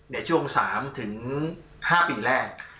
ในช่วง๓๕ปีแรก